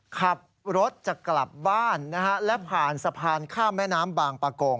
ขับรถจะกลับบ้านนะฮะและผ่านสะพานข้ามแม่น้ำบางปะโกง